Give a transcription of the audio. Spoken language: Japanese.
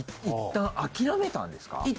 いったん諦めたんですか？